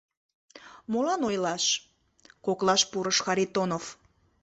— Молан ойлаш? — коклаш пурыш Харитонов.